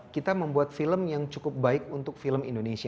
kita membuat film yang cukup baik untuk film indonesia